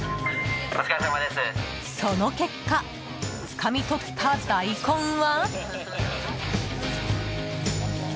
その結果、つかみ取った大根は？